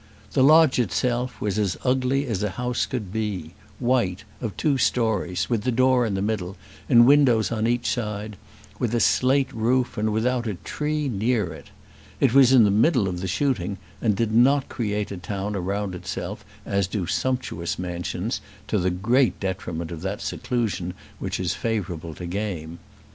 The lodge itself was as ugly as a house could be, white, of two stories, with the door in the middle and windows on each side, with a slate roof, and without a tree near it. It was in the middle of the shooting, and did not create a town around itself as do sumptuous mansions, to the great detriment of that seclusion which is favourable to game.